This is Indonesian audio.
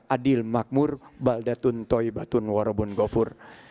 adil makmur baldatun toy batun warobun gofur